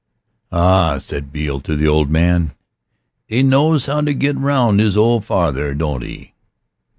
"Ah," said Beale to the old man, "'e knows how to get round his old father, don't 'e?"